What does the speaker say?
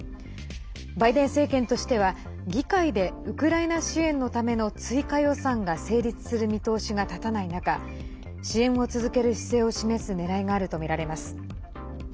バイデン政権としては議会でウクライナ支援のための追加予算が成立する見通しが立たない中支援を続ける姿勢を示すねらいがあるとみられます。